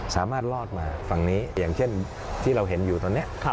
ลอดมาฝั่งนี้อย่างเช่นที่เราเห็นอยู่ตอนนี้